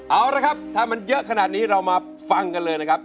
เอาละครับถ้ามันเยอะขนาดนี้เรามาฟังกันเลยนะครับ